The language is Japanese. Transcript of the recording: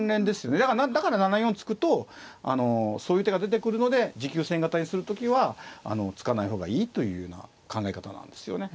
だから７四突くとそういう手が出てくるので持久戦型にする時は突かない方がいいというような考え方なんですよね。